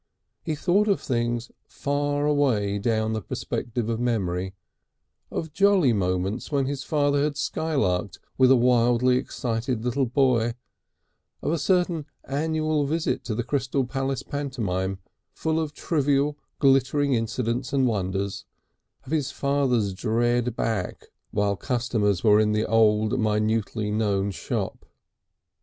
He thought of things far away down the perspective of memory, of jolly moments when his father had skylarked with a wildly excited little boy, of a certain annual visit to the Crystal Palace pantomime, full of trivial glittering incidents and wonders, of his father's dread back while customers were in the old, minutely known shop.